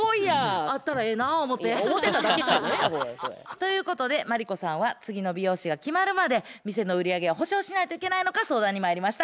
ということでマリコさんは次の美容師が決まるまで店の売り上げを補償しないといけないのか相談にまいりました。